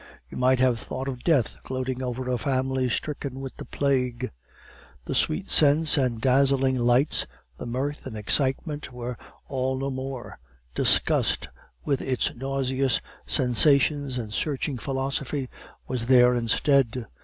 You might have thought of Death gloating over a family stricken with the plague. The sweet scents and dazzling lights, the mirth and the excitement were all no more; disgust with its nauseous sensations and searching philosophy was there instead.